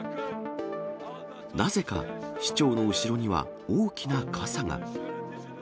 なぜか、市長の後ろには、大きな傘が。